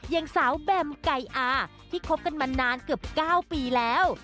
อย่างสาวแบมไก่อาที่คบกันมานานเกือบ๙ปีแล้ว